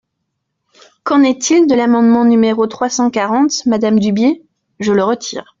Qu’en est-il de l’amendement numéro trois cent quarante, madame Dubié ? Je le retire.